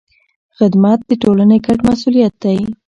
خدمت د ټولنې ګډ مسؤلیت دی.